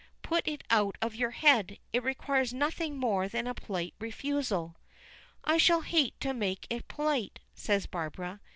Put it out of your head. It requires nothing more than a polite refusal." "I shall hate to make it polite," says Barbara.